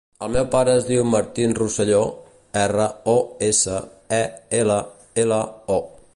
El meu pare es diu Martín Rosello: erra, o, essa, e, ela, ela, o.